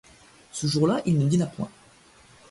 Ce jour-là il ne dîna point.